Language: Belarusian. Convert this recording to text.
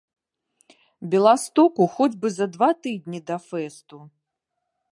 Беластоку хоць бы за два тыдні да фэсту!